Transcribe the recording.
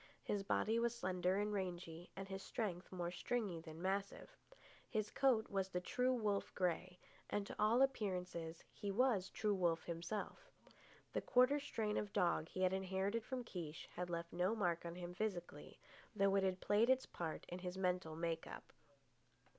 His body was slender and rangy, and his strength more stringy than massive, His coat was the true wolf grey, and to all appearances he was true wolf himself. The quarter strain of dog he had inherited from Kiche had left no mark on him physically, though it had played its part in his mental make up.